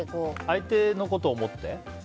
相手のことを思って？